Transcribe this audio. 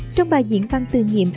trong bài diễn văn từ nhiệm